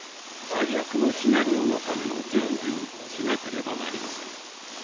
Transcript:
最悪のシナリオのための準備をしなければなりません。